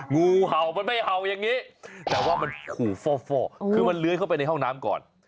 งูเห่ามันไม่เห่าอย่างนี้แต่ว่ามันขู่ฟ่อคือมันเลื้อยเข้าไปในห้องน้ำก่อน